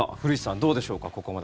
どうでしょうか、ここまで。